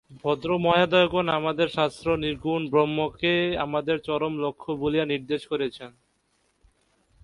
ভদ্রমহোদয়গণ, আমাদের শাস্ত্র নির্গুণ ব্রহ্মকেই আমাদের চরম লক্ষ্য বলিয়া নির্দেশ করিয়াছেন।